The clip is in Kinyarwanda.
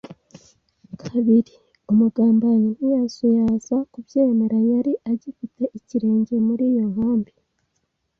kabiri umugambanyi, ntiyazuyaza kubyemera. Yari agifite ikirenge muri iyo nkambi,